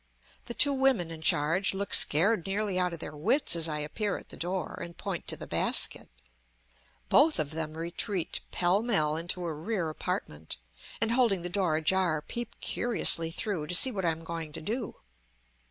The two women in charge look scared nearly out of their wits as I appear at the door and point to the basket; both of them retreat pell mell into a rear apartment, and, holding the door ajar, peep curiously through to see what I am going to do.